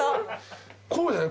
こうだね